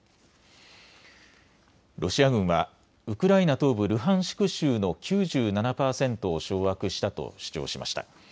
ロシア軍はウクライナ東部ルハンシク州の９７％を掌握したと主張しました。